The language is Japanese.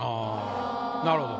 なるほど。